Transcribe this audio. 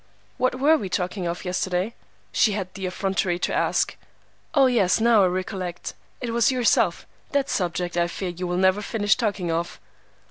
"'What were we talking of yesterday?' she had the effrontery to ask. 'Oh, yes, now I recollect. It was yourself. That subject, I fear, you will never finish talking of.